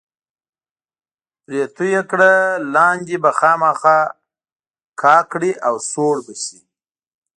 پرې توی یې کړه، لاندې به خامخا کا کړي او سوړ به شي.